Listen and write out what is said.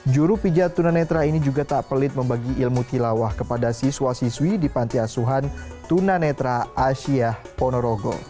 juru pijat tunanetra ini juga tak pelit membagi ilmu tilawah kepada siswa siswi di panti asuhan tunanetra asia ponorogo